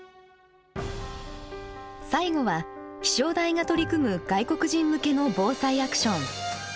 最後は気象台が取り組む外国人向けの防災アクション。